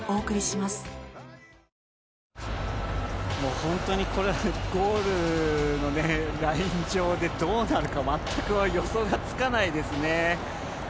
本当にゴールのライン上でどうなるかまったく予想がつかないですね。